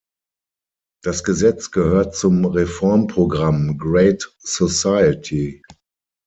Das Gesetz gehört zum Reformprogramm Great Society.